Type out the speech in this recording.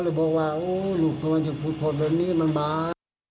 พ่อเลยบอกว่าลูกทำไมจะพูดโทษแบบนี้มันบ้า